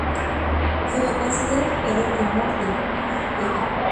Se le considera el creador de humor del equipo.